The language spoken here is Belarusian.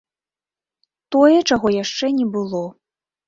Тое, чаго яшчэ не было.